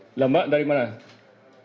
itu informasi dari mana apakah bersul seperti itu